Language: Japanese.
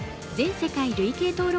世界累計登録